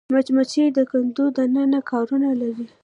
مچمچۍ د کندو دننه کارونه لري